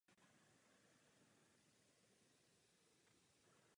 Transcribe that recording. Následuje po číslu čtyři sta sedmdesát jedna a předchází číslu čtyři sta sedmdesát tři.